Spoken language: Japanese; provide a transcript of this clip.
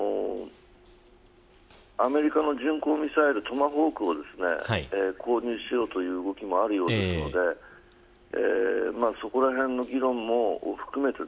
アメリカの巡航ミサイルトマホークを購入しようという動きもあるのでそのあたりの議論も含めて